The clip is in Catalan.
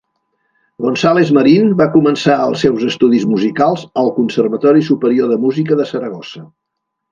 González Marín va començar els seus estudis musicals al Conservatori Superior de Música de Saragossa.